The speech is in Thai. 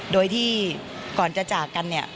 โดยที่ก่อนจะจากกันเนี่ย